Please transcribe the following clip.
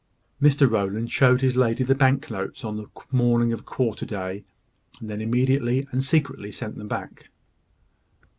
Mr Rowland showed his lady the bank notes on the morning of quarter day, and then immediately and secretly sent them back.